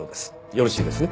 よろしいですね？